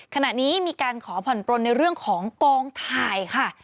ขณะนี้มีการขอผ่อนปลนในเรื่องของกองถ่ายค่ะ